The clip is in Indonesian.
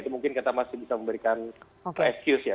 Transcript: itu mungkin kita masih bisa memberikan excuse ya